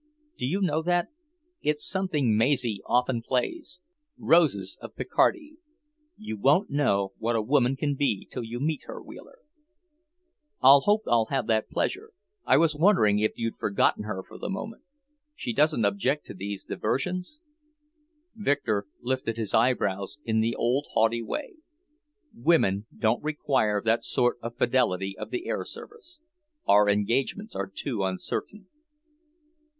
"Do you know that? It's something Maisie often plays; 'Roses of Picardy.' You won't know what a woman can be till you meet her, Wheeler." "I hope I'll have that pleasure. I was wondering if you'd forgotten her for the moment. She doesn't object to these diversions?" Victor lifted his eyebrows in the old haughty way. "Women don't require that sort of fidelity of the air service. Our engagements are too uncertain."